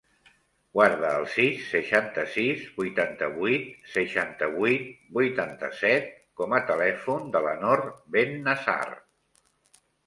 Guarda el sis, seixanta-sis, vuitanta-vuit, seixanta-vuit, vuitanta-set com a telèfon de la Nor Bennasar.